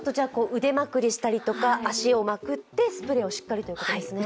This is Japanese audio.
腕まくりしたりとか足をまくってスプレーをしっかりということですね。